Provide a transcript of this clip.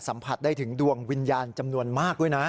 สัมผัสได้ถึงดวงวิญญาณจำนวนมากด้วยนะ